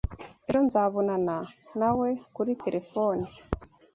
Ejo nzabonana nawe kuri terefone